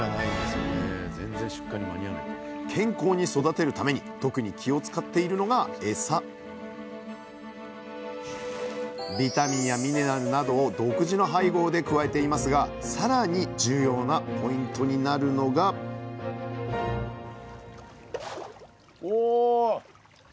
健康に育てるために特に気を遣っているのがエサビタミンやミネラルなどを独自の配合で加えていますがさらに重要なポイントになるのがお。